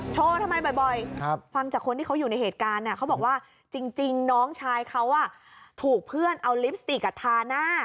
ทำไมบ่อยฟังจากคนที่เขาอยู่ในเหตุการณ์เขาบอกว่าจริงน้องชายเขาถูกเพื่อนเอาลิปสติกทาหน้า